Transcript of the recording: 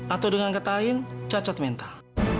atau dengan kata lain cacat mental